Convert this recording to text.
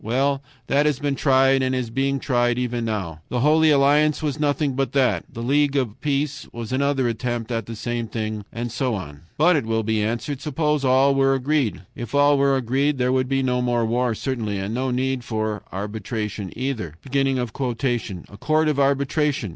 Well, that has been tried and is being tried even now. The Holy Alliance was nothing but that, the League of Peace was another attempt at the same thing, and so on. But, it will be answered, suppose all were agreed. If all were agreed there would be no more war certainly, and no need for arbitration either. "A court of arbitration!